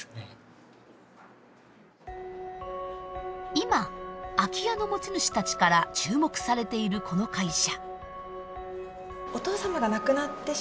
今空き家の持ち主たちから注目されているこの会社。